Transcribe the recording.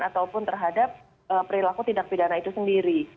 ataupun terhadap perilaku tindak pidana itu sendiri